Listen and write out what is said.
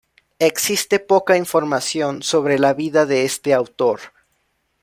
Existe poca información sobre la vida de este autor.